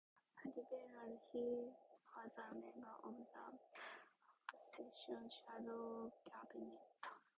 A Liberal, he was a member of the opposition shadow cabinet.